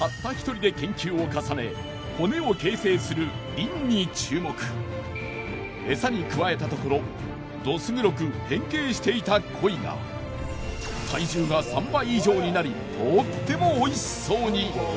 一体たったエサに加えたところどす黒く変形していたコイが体重が３倍以上になりとってもおいしそうに！